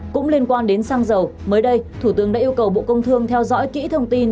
cũng liên quan đến xăng dầu mới đây thủ tướng đã yêu cầu bộ công thương theo dõi kỹ thông tin